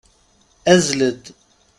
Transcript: Azzel-d!